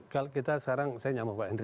kalau kita sekarang saya nyamuk pak hendri